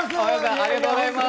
ありがとうございます。